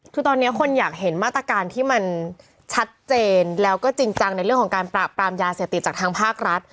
คือตอนนี้คนอยากเห็นมาตรการที่มันชัดเจนแล้วก็จริงจังในเรื่องของการปราบปรามยาเสพติดจากทางภาครัฐ